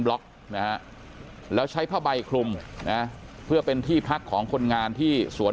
ล็อกนะฮะแล้วใช้ผ้าใบคลุมนะเพื่อเป็นที่พักของคนงานที่สวน